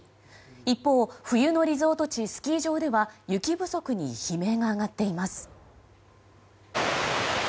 一方、冬のリゾート地スキー場では雪不足に悲鳴が上がっています。